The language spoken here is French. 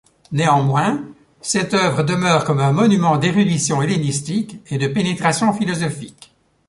Néanmoins, cette œuvre demeure comme un monument d'érudition hellénistique et de pénétration philosophique.